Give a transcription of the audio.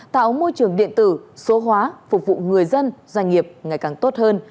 tạo môi trường điện tử số hóa phục vụ người dân doanh nghiệp ngày càng tốt hơn